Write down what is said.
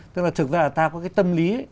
thực ra là ta có cái tâm lý